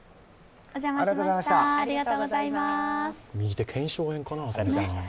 右手、腱鞘炎かな、朝見さん。